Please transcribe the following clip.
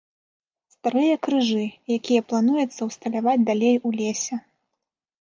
Старыя крыжы, якія плануецца ўсталяваць далей у лесе.